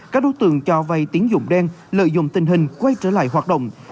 các đối tượng cho vay tiến dụng đen lợi dụng tình hình quay trở lại hoạt động